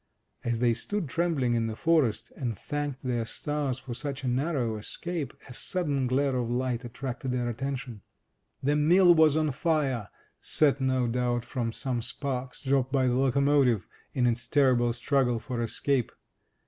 As they stood trembling in the forest, and thanked their stars for such a narrow escape, a sudden glare of light attracted their attention. The mill was on fire, set, no doubt, from some sparks dropped by the locomotivean its terrible struggle for escape.